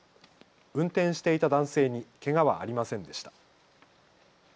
運転していた男性にけがはありませんでした。